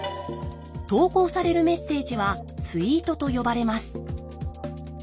投稿されるメッセージはツイートと呼ばれます。